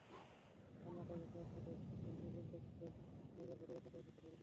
কান্নাটা ভেসে আসছিল একটি জীর্ণ পরিত্যক্ত নেইবারহুডের একমাত্র অবশিষ্ট বাড়ি থেকে।